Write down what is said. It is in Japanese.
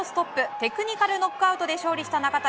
テクニカルノックアウトで勝利した中谷。